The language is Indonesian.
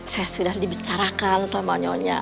saya sudah dibicarakan sama nyo nya